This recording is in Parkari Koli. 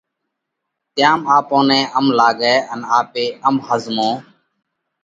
تيام آپون نئہ هم لاڳئه ان آپي هم ۿزمونه۔